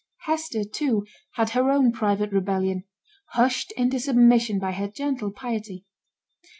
Hester, too, had her own private rebellion hushed into submission by her gentle piety.